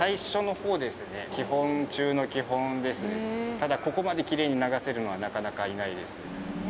ただここまでキレイに流せるのはなかなかいないです。